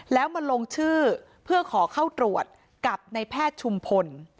แล้วมาลงชื่อเพื่อขอเข้าตรวจกับในแพทย์ชุมพล